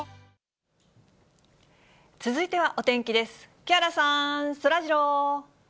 木原さん、そらジロー。